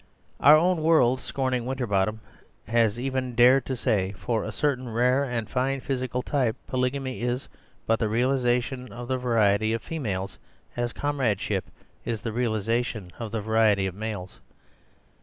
Our own world scorning Winterbottom has even dared to say, 'For a certain rare and fine physical type polygamy is but the realization of the variety of females, as comradeship is the realization of the variety of males.